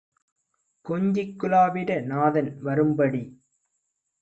கொஞ்சிக் குலாவிட நாதன் வரும்படி